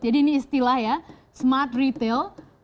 jadi ini istilah ya smart retail